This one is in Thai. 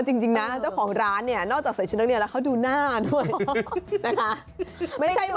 จริงนะเจ้าของร้านเนี่ยนอกจากใส่ชุดนักเรียนแล้วเขาดูหน้าด้วยนะคะ